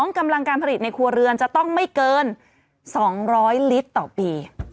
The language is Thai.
กำลังการผลิตในครัวเรือนจะต้องไม่เกิน๒๐๐ลิตรต่อปี